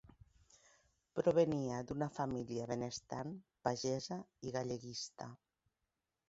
Provenia d'una família benestant pagesa i galleguista.